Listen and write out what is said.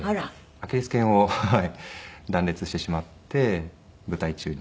アキレス腱を断裂してしまって舞台中に。